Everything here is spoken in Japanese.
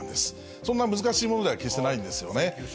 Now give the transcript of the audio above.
そんな難しいものでは決してないんですよね。